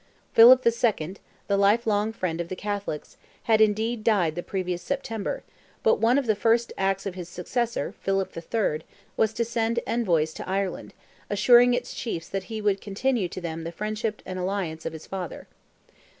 Philip II., the life long friend of the Catholics, had, indeed, died the previous September, but one of the first acts of his successor, Philip III., was to send envoys into Ireland, assuring its chiefs that he would continue to them the friendship and alliance of his father.